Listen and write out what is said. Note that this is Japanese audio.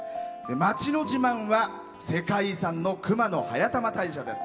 町の自慢は世界遺産の熊野速玉大社です。